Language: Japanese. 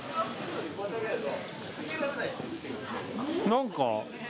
何か。